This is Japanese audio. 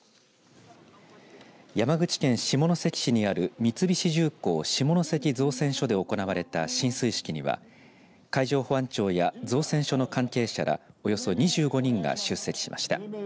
山口県下関市にある三菱重工下関造船所で行われた進水式には海上保安庁や造船所の関係者らおよそ２５人が出席しました。